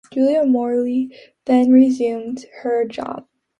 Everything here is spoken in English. Julia Morley then resumed her job.